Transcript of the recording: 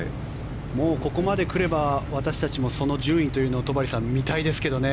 ここまで来れば私たちもその順位というのを戸張さん、見たいですけどね。